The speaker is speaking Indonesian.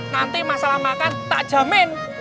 nanti masalah makan tak jamin